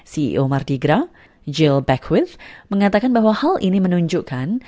ceo mardi gras jill beckwith mengatakan bahwa hal ini menunjukkan